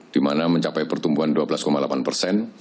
di mana mencapai pertumbuhan dua belas delapan persen